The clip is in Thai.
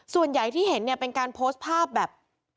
ส่วนใหญ่ที่เห็นเนี่ยเป็นการโพสต์ภาพแบบ